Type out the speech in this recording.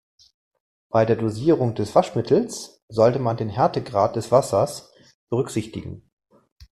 Bei der Dosierung des Waschmittels sollte man den Härtegrad des Wassers berücksichtigen.